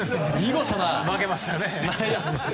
負けましたけどね。